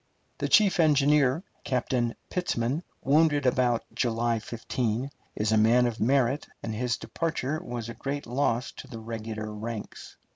The chief engineer, Captain Pitzman, wounded about July 15th, is a man of merit, and his departure was a great loss to the regular ranks.